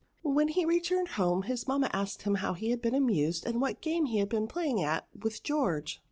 When he returned home, his mamma NOUNS. 155 asked Lim how he had been amused, aiid what game he had been playing at with George.